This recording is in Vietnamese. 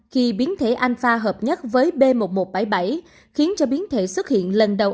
khi biến thể alpha hợp nhất với b một một bảy bảy khiến cho biến thể xuất hiện lần đầu